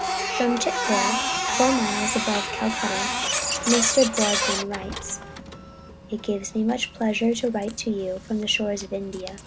From Chitpore four miles above Calcutta, Mr. Boardman writes: "It gives me much pleasure to write you from the shores of India.